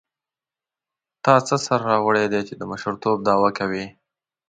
تا څه سر راوړی دی چې د مشرتوب دعوه کوې.